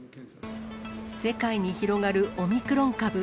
世界に広がるオミクロン株。